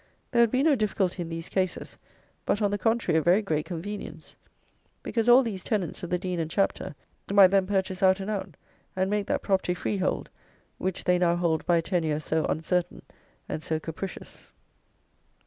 There would be no difficulty in these cases, but on the contrary a very great convenience; because all these tenants of the Dean and Chapter might then purchase out and out, and make that property freehold, which they now hold by a tenure so uncertain and so capricious.